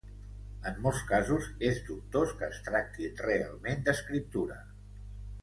En molts casos, és dubtós que es tracti realment d'escriptura.